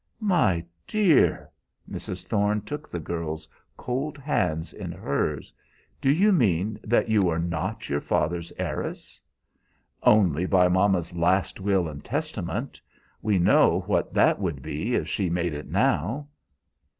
"My dear!" Mrs. Thorne took the girl's cold hands in hers. "Do you mean that you are not your father's heiress?" "Only by mama's last will and testament. We know what that would be if she made it now!"